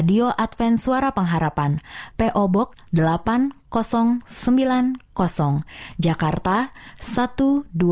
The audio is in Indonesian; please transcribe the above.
dia yesus tuhan ku